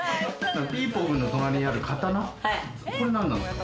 ピーポくんの隣にある刀、これ何なんですか？